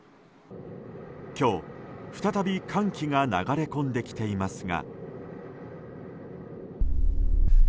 今日、再び寒気が流れ込んできていますが。